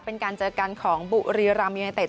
เป็นการเจอกันของบุรีรัมยูเนเต็